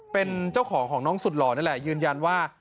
เป็นเจ้าของของน้องสุดหล่อนี่แหละยืนยันว่า